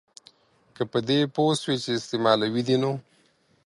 که په دې پوه سوې چي استعمالوي دي نو